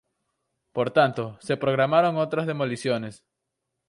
Por tanto, se programaron otras demoliciones.